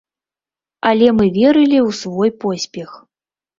Але мы верылі ў свой поспех.